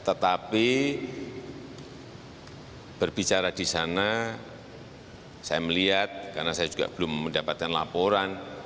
tetapi berbicara di sana saya melihat karena saya juga belum mendapatkan laporan